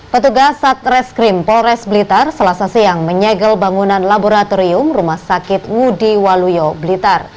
petugas satreskrim polres blitar selasa siang menyegel bangunan laboratorium rumah sakit ngudi waluyo blitar